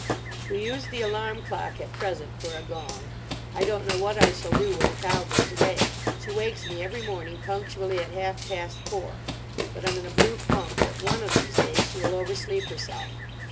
We use the alarm clock at present for a gong. I don't know what I shall do when the cow goes away. She wakes me every morning punctually at half past four, but I'm in a blue funk that one of these days she will oversleep herself.